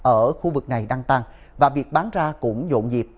ở khu vực này đang tăng và việc bán ra cũng dộn dịp